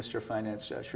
sri mianing dan seluruh